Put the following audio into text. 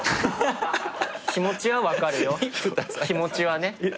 気持ちは分かるよ気持ちはね。